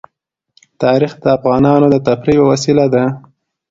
تاریخ د افغانانو د تفریح یوه وسیله ده.